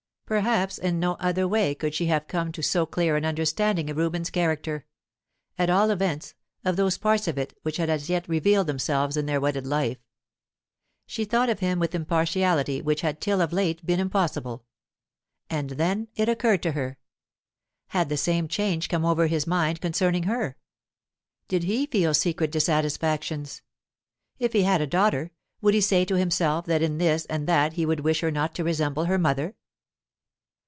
Perhaps in no other way could she have come to so clear an understanding of Reuben's character at all events, of those parts of it which had as yet revealed themselves in their wedded life. She thought of him with an impartiality which had till of late been impossible. And then it occurred to her: Had the same change come over his mind concerning her? Did he feel secret dissatisfactions? If he had a daughter, would he say to himself that in this and that he would wish her not to resemble her mother?